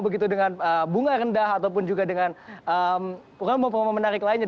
begitu dengan bunga rendah ataupun juga dengan promo promo menarik lainnya